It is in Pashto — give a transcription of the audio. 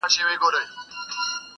بويي تلم په توره شپه کي تر کهساره٫